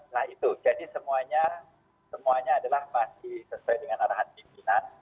nah itu jadi semuanya adalah masih sesuai dengan arahan pimpinan